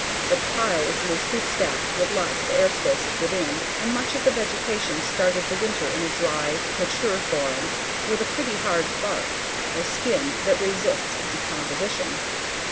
But the pile is loosely stacked with lots of air spaces within and much of the vegetation started the winter in a dry, mature form with a pretty hard "bark" or skin that resists decomposition.